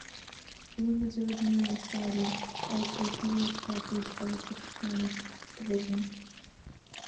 Lumileds originally started as Hewlett-Packard's optoelectronics division.